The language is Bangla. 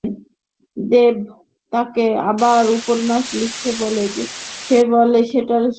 দেব তাকে আবার উপন্যাস লিখতে বলে, সে বলে সেটাও সে পড়বে।